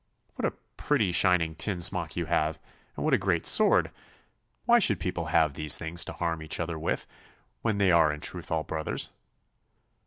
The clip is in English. What a pretty shining tin smock you have, and what a great sword! Why should people have these things to harm each other with when they are in truth all brothers?